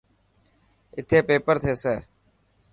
اٿي پيپر ٿيسي.